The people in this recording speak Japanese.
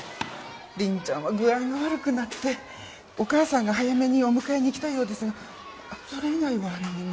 凛ちゃんは具合が悪くなってお母さんが早めにお迎えに来たようですがそれ以外は何も。